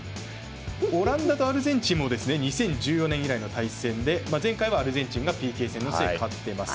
オランダとアルゼンチンも２０１４年以来の対戦で前回はアルゼンチンがＰＫ戦の末勝っています。